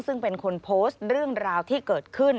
ซึ่งเป็นคนโพสต์เรื่องราวที่เกิดขึ้น